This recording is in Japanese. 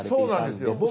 そうなんですよ。